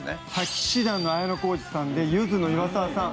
氣志團の綾小路さんでゆずの岩沢さん